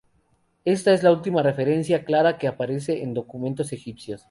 Esta es la última referencia clara que aparece en documentos egipcios.